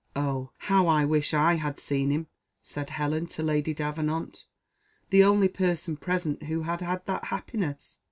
"Oh! how I wish I had seen him!" said Helen to Lady Davenant, the only person present who had had that happiness.